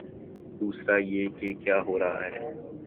دوسرا یہ کہ کیا ہو رہا ہے۔